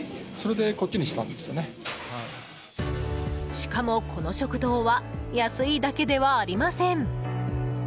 しかも、この食堂は安いだけではありません。